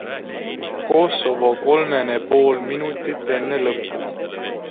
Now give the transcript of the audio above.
Kosovo kolmene pool minutit enne lõppu.